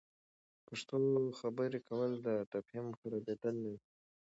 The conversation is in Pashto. پښتو خبرې کول، د تفهم خرابیدل نه وي.